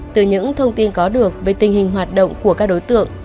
từ những thông tin có được về tình hình hoạt động của các đối tượng